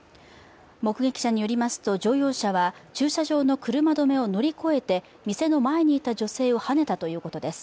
目撃者によりますと乗用車は駐車場の車止めを乗り越えて店の前にいた女性をはねたということです。